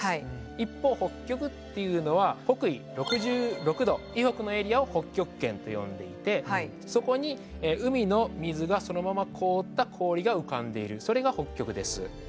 一方北極っていうのは北緯６６度以北のエリアを北極圏と呼んでいてそこに海の水がそのまま凍った氷が浮かんでいるそれが北極です。